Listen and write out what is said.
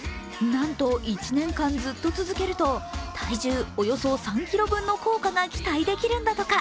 なんと１年間ずっと続けると体重およそ３ｋｇ分の効果が期待できるんだとか。